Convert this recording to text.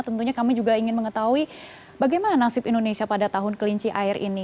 tentunya kami juga ingin mengetahui bagaimana nasib indonesia pada tahun kelinci air ini